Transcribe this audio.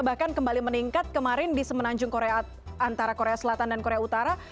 bahkan kembali meningkat kemarin di semenanjung korea antara korea selatan dan korea utara